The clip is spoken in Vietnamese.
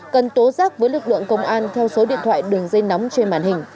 cần tố giác với lực lượng công an theo số điện thoại đường dây nóng trên màn hình